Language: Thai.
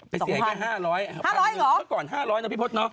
ไปเซียงแค่๕๐๐บาทหนึ่งเมื่อก่อน๕๐๐บาทเนอะพี่พฤษเนอะ